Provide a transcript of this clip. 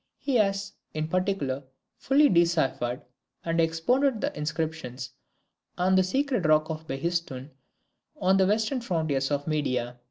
He has, in particular, fully deciphered and expounded the inscriptions on the sacred rock of Behistun, on the western frontiers of Media.